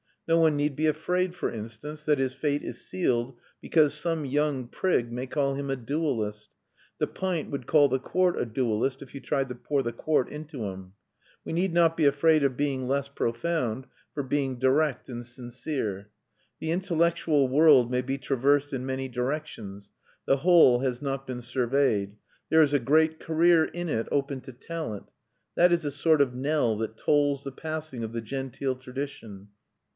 No one need be afraid, for instance, that his fate is sealed because some young prig may call him a dualist; the pint would call the quart a dualist, if you tried to pour the quart into him. We need not be afraid of being less profound, for being direct and sincere. The intellectual world may be traversed in many directions; the whole has not been surveyed; there is a great career in it open to talent. That is a sort of knell, that tolls the passing of the genteel tradition.